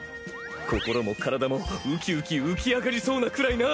心も体もウキウキ浮き上がりそうなくらいな！